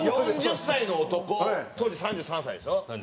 ４０歳の男当時３３歳でしょ？